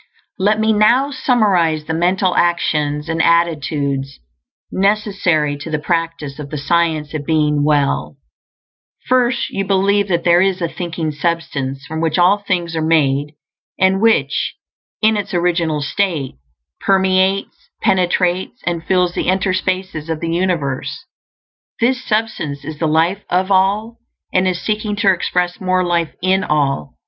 Let me now summarize the mental actions and attitudes necessary to the practice of the Science of Being Well: first, you believe that there is a Thinking Substance, from which all things are made, and which, in its original state, permeates, penetrates, and fills the interspaces of the universe. This Substance is the Life of All, and is seeking to express more life in all.